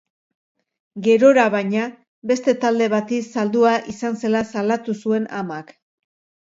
Gerora, baina, beste talde bati saldua izan zela salatu zuen amak.